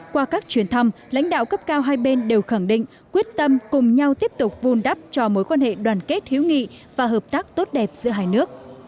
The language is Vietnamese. qua các chuyến thăm lãnh đạo cấp cao hai bên đều khẳng định quyết tâm cùng nhau tiếp tục vun đắp cho mối quan hệ đoàn kết hiếu nghị và hợp tác tốt đẹp giữa hai nước